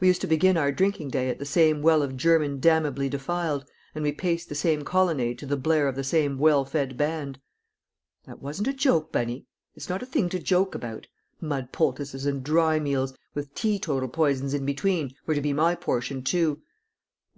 We used to begin our drinking day at the same well of German damnably defiled, and we paced the same colonnade to the blare of the same well fed band. That wasn't a joke, Bunny; it's not a thing to joke about; mud poultices and dry meals, with teetotal poisons in between, were to be my portion too.